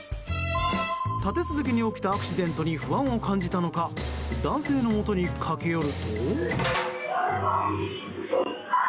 立て続けに起きたアクシデントに不安を感じたのか男性のもとに駆け寄ると。